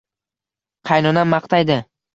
Qaynonam maqtaydi